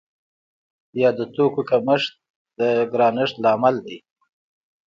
یا د توکو کمښت د ګرانښت لامل دی؟